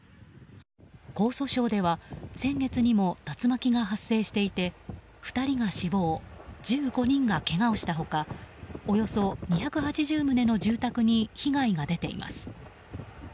江蘇省では先月にも竜巻が発生していて２人が死亡１５人がけがをした他およそ２８０棟の住宅に被害が出ています。